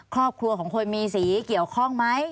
ครอบครัวของคนมีสีเกี่ยวข้องไหม